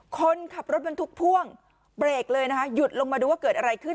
คนขับรถบรรทุกพ่วงเบรกเลยนะคะหยุดลงมาดูว่าเกิดอะไรขึ้น